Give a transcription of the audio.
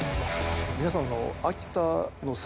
皆さん。